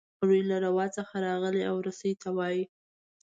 روي له روا څخه راغلی او رسۍ ته وايي.